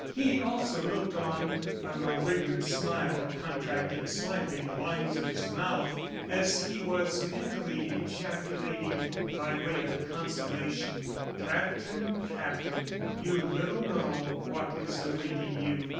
He also looked on, a malignant smile contracting slightly the lines of his mouth as he was mentally ejaculating by way of consolation, "Captain, Captain! ... You little know what is awaiting you!"